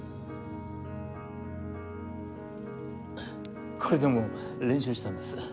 んっこれでも練習したんです。